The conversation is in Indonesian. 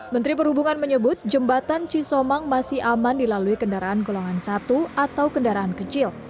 menteri perhubungan menyebut jembatan cisomang masih aman dilalui kendaraan golongan satu atau kendaraan kecil